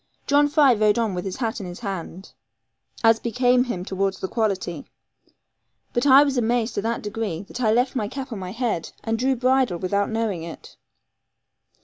John Fry rode on with his hat in his hand, as became him towards the quality; but I was amazed to that degree, that I left my cap on my head, and drew bridle without knowing it.